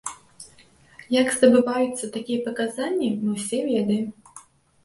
Як здабываюцца такія паказанні, мы ўсе ведаем.